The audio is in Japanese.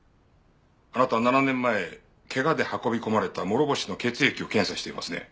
あなた７年前怪我で運び込まれた諸星の血液を検査していますね。